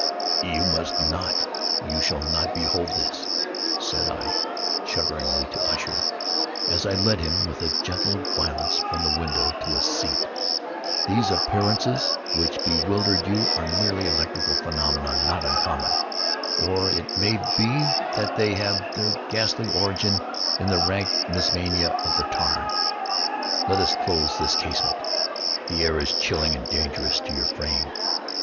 "You must not—you shall not behold this!" said I, shudderingly, to Usher, as I led him, with a gentle violence, from the window to a seat. "These appearances, which bewilder you, are merely electrical phenomena not uncommon—or it may be that they have their ghastly origin in the rank miasma of the tarn. Let us close this casement;—the air is chilling and dangerous to your frame.